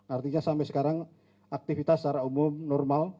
artinya sampai sekarang aktivitas secara umum normal